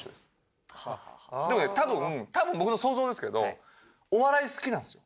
でもね多分多分僕の想像ですけどお笑い好きなんですよ。